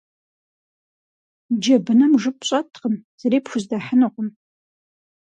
Джэбыным жып щӏэткъым, зыри пхуздэхьынукъым.